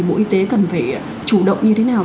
bộ y tế cần phải chủ động như thế nào